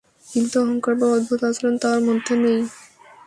কিন্তু অহংকার বা অদ্ভুত আচরণ তার মধ্যে নেই।